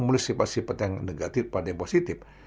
mulai sifat sifat yang negatif pada yang positif